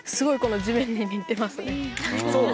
そう！